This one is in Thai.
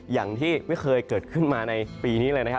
อย่างที่ไม่เคยเกิดขึ้นมาในปีนี้เลยนะครับ